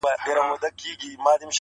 نه دعوه نه بهانه سي څوك منلاى؛